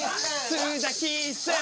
洲崎さん